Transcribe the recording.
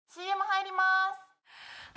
ＣＭ入ります！